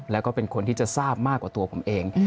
แล้วก็เป็นคนที่จะทราบมากกว่าตัวผมเอง